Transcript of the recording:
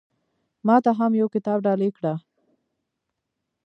ما ته هم يو کتاب ډالۍ کړه